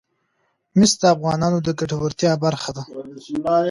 مس د افغانانو د ګټورتیا برخه ده.